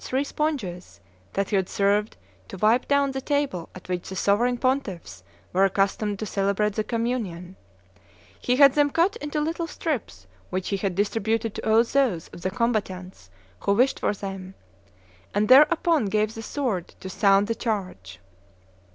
three sponges that had served to wipe down the table at which the sovereign pontiffs were accustomed to celebrate the communion; he had them cut into little strips which he had distributed to all those of the combatants who wished for them, and thereupon gave the sword to sound the charge.